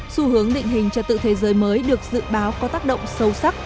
xu hướng định hình trật tự thế giới mới được dự báo có tác động sâu sắc